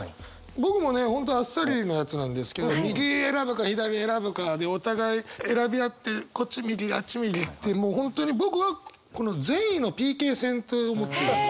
僕もね本当あっさりのやつなんですけど右選ぶか左選ぶかでお互い選び合ってこっち右あっち右ってもう本当に僕はこの善意のＰＫ戦と思ってます。